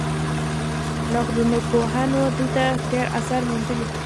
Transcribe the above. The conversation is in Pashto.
لرغونپوهانو دلته ډیر اثار موندلي